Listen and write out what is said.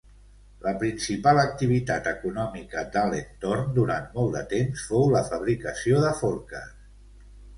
La principal activitat econòmica d'Alentorn durant molt de temps fou la fabricació de forques.